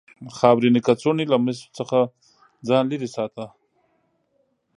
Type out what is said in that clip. خاورینې کڅوړې له مسو څخه ځان لرې ساته.